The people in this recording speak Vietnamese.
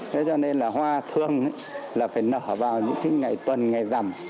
thế cho nên là hoa thường là phải nở vào những cái ngày tuần ngày rằm